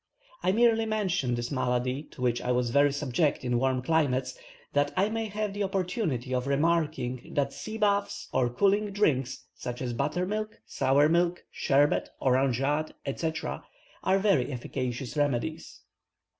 I merely mention this malady, to which I was very subject in warm climates, that I may have the opportunity of remarking, that sea baths or cooling drinks, such as buttermilk, sour milk, sherbet, orangeade, etc., are very efficacious remedies.